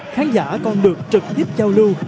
khán giả còn được trực tiếp giao lưu